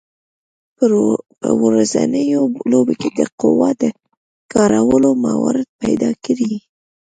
په ورځنیو لوبو کې د قوې د کارولو موارد پیداکړئ.